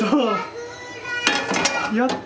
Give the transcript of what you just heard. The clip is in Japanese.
やった！